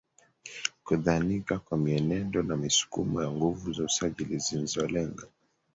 kudhanika kwa mienendo na misukumo ya nguvu za asili zinzzolenga